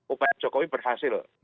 upaya jokowi berhasil